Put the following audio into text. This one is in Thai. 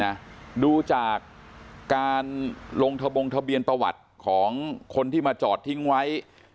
นะดูจากการลงทะบงทะเบียนประวัติของคนที่มาจอดทิ้งไว้